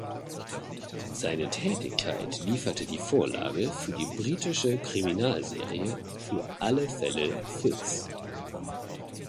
Seine Tätigkeit lieferte die Vorlage für die britische Kriminalserie „Für alle Fälle Fitz“.